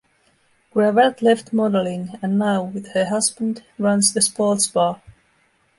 Gravatte left modeling and now, with her husband, runs a sports bar.